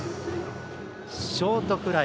ショートフライ。